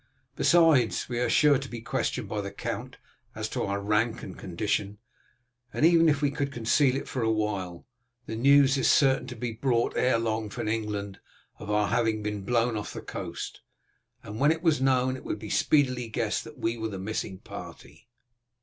Besides, we are sure to be questioned by the count as to our rank and condition, and even could we conceal it for a while, the news is certain to be brought ere long from England of our having been blown off the coast, and when it was known it would be speedily guessed that we were the missing party.